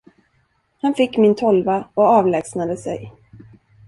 Han fick min tolva och avlägsnade sig.